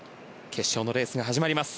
決勝のレースが始まります。